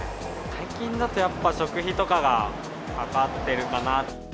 最近だとやっぱ食費とかがかかってるかな。